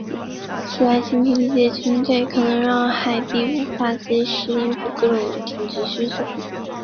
此外精疲力竭的军队可能让海地无法即时应付各种紧急需求。